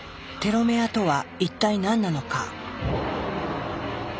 テロメアとは一体何なのか？